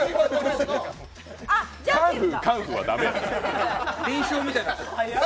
カンフーカンフーは駄目。